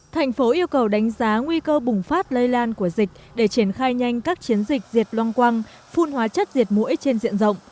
thành phố yêu cầu đánh giá nguy cơ bùng phát lây lan của dịch để triển khai nhanh các chiến dịch diệt loang quang phun hóa chất diệt mũi trên diện rộng